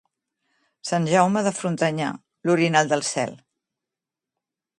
Sant Jaume de Frontanyà, l'orinal del cel.